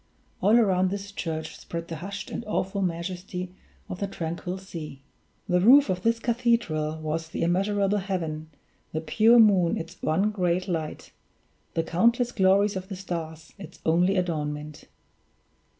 All around this church spread the hushed and awful majesty of the tranquil sea. The roof of this cathedral was the immeasurable heaven, the pure moon its one great light, the countless glories of the stars its only adornment.